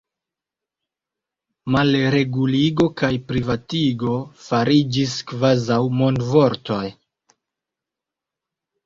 Malreguligo kaj privatigo fariĝis kvazaŭ modvortoj.